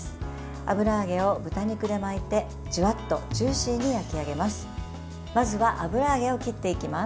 油揚げを豚肉で巻いてジュワッとジューシーに焼き上げます。